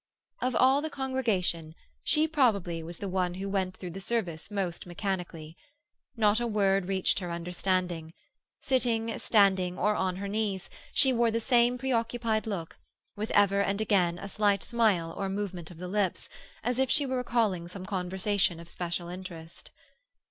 Of all the congregation she probably was the one who went through the service most mechanically. Not a word reached her understanding. Sitting, standing, or on her knees, she wore the same preoccupied look, with ever and again a slight smile or a movement of the lips, as if she were recalling some conversation of special interest.